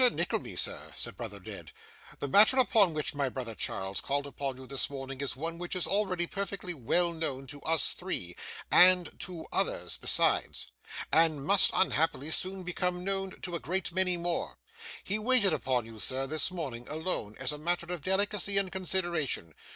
Nickleby, sir,' said brother Ned, 'the matter upon which my brother Charles called upon you this morning is one which is already perfectly well known to us three, and to others besides, and must unhappily soon become known to a great many more. He waited upon you, sir, this morning, alone, as a matter of delicacy and consideration.